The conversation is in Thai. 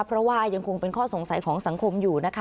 เพราะว่ายังคงเป็นข้อสงสัยของสังคมอยู่นะคะ